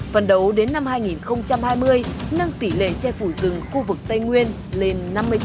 phấn đấu đến năm hai nghìn hai mươi nâng tỉ lệ che phủ rừng khu vực tây nguyên lên năm mươi chín